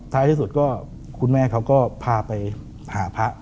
ท้ายที่สุดคุณแม่ก็พาไปหาพระ